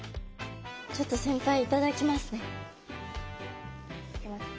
ちょっと先輩頂きますね。